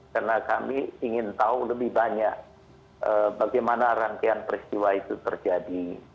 karena kami ingin tahu lebih banyak bagaimana rangkaian peristiwa itu terjadi